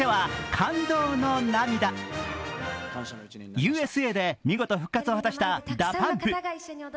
「Ｕ．Ｓ．Ａ」で見事復活を果たしたＤＡＰＵＭＰ。